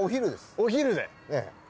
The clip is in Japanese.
お昼で。